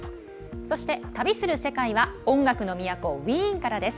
そして「旅する世界」は音楽の都ウィーンからです。